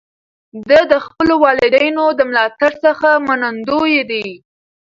ده د خپلو والدینو د ملاتړ څخه منندوی دی.